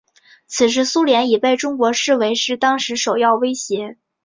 此时苏联已经被中国视为是当时首要威胁。